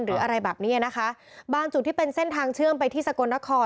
หรืออะไรแบบนี้นะคะบางจุดที่เป็นเส้นทางเชื่อมไปที่สกลนคร